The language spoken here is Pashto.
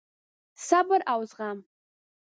صبر او زغم: